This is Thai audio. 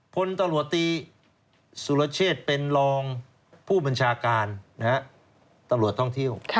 พลตำรวจตีสุรเชษเป็นรองผู้บัญชาการตำรวจท่องเที่ยว